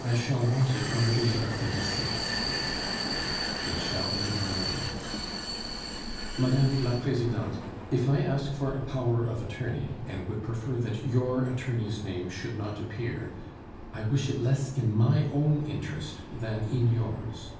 "I shall want it on the day of the decease." "It shall be in readiness." "Mme. la Presidente, if I ask for a power of attorney, and would prefer that your attorney's name should not appear I wish it less in my own interest than in yours....